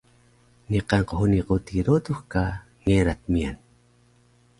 niqan qhuni quti rodux ka ngerac miyan